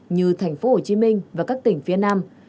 như thành phố hồ chí minh và các tỉnh phía nam